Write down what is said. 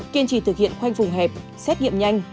kiên trì thực hiện khoanh vùng hẹp xét nghiệm nhanh